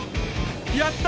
やった！